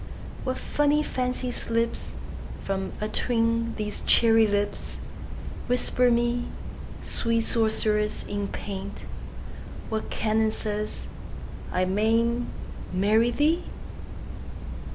What funny fancy slipsFrom atween these cherry lips! Whisper me, Sweet sorceress in paint, What canon says I may n'tMarry thee?